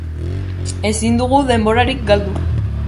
Ezin dugu denborarik galdu.